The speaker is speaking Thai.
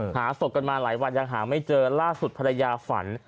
หาศพกันมาหลายวันยังหาไม่เจอล่าสุดภรรยาฝัน